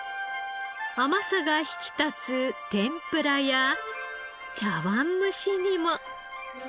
甘さが引き立つ天ぷらや茶わん蒸しにも。